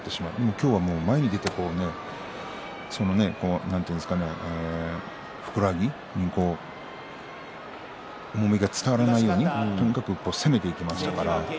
今日は前に出てそのふくらはぎに重みが伝わらないようにとにかく攻めていきましたね。